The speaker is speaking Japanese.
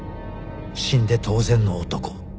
死んで当然の男